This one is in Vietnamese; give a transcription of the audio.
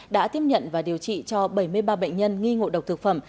đã tiếp nhận và điều trị cho bảy mươi ba bệnh nhân nghi ngộ độc thực phẩm